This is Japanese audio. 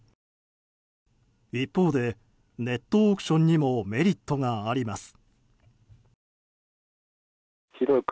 一方でネットオークションにもメリットがあります。